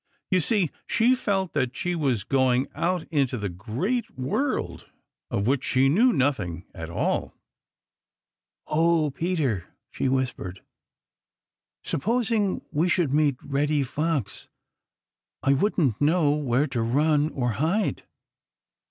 You see, she felt that she was going out into the Great World, of which she knew nothing at all. "Oh, Peter," she whispered, "supposing we should meet Reddy Fox! I wouldn't know where to run or hide."